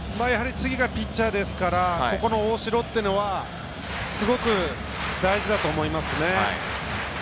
次がピッチャーですからここの大城というのはすごく大事だと思いますね。